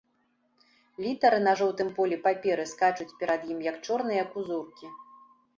Літары на жоўтым полі паперы скачуць перад ім, як чорныя кузуркі.